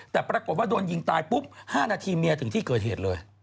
แต่ปรากฏว่าโดนยิงตายปุ๊บ๕นาทีเมียถึงที่เกิดเหตุเลย